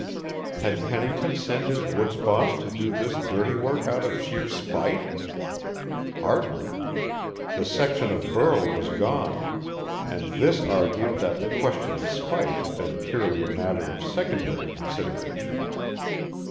Had Pennington sent his woods boss to do this dirty work out of sheer spite? Hardly. The section of burl was gone, and this argued that the question of spite had been purely a matter of secondary consideration.